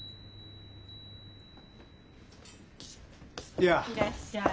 いらっしゃい。